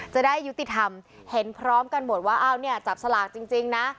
จะได้ยุติธรรมเห็นพร้อมกันหมดว่าอ้าวเนี่ยจับสลากจริงนะ